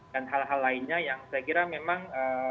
dan hal hal lainnya yang saya kira memang